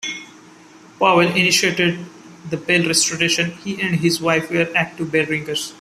Powell, initiated the bell restoration; he and his wife were active bellringers.